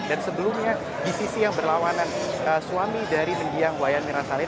dan sebelumnya di sisi yang berlawanan suami dari negeri yang wayan mirna salihin